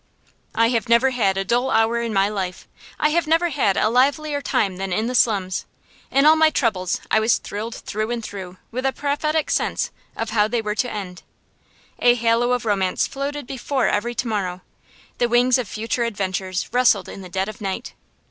I have never had a dull hour in my life; I have never had a livelier time than in the slums. In all my troubles I was thrilled through and through with a prophetic sense of how they were to end. A halo of romance floated before every to morrow; the wings of future adventures rustled in the dead of night.